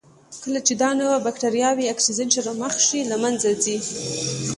کله چې دا نوعه بکټریاوې اکسیجن سره مخ شي له منځه ځي.